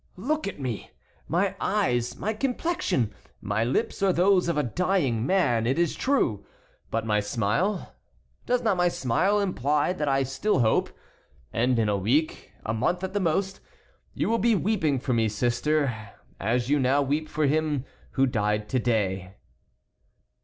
Look at me! My eyes, my complexion, my lips are those of a dying man, it is true; but my smile, does not my smile imply that I still hope? and in a week, a month at the most, you will be weeping for me, sister, as you now weep for him who died to day."